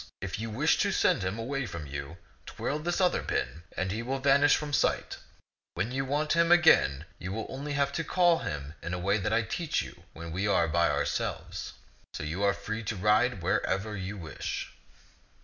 If you wish to send him away from you, twirl this other pin, and he will vanish from sight. When you want him again, you have only to call him in a way that I will teach you when we are by ourselves. So are you free to ride wherever you wish."